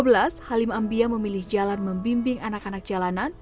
sejak dua ribu dua belas halim ambiya memilih jalan membimbing anak anak jalanan